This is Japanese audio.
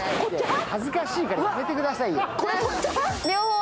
恥ずかしいからやめてくださいよ。